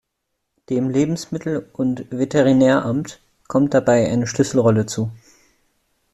Dem Lebensmittelund Veterinäramt kommt dabei eine Schlüsselrolle zu.